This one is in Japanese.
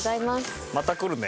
また来るね。